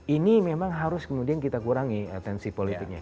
ini memang harus kemudian kita kurangi atensi politiknya